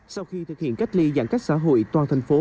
sau khi thực hiện cách ly giãn cách xã hội toàn thành phố